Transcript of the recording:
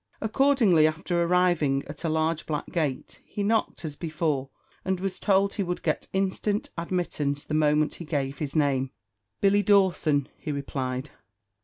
Accordingly, after arriving at a large black gate, he knocked, as before, and was told he would get instant admittance the moment he gave his name. "Billy Dawson," he replied.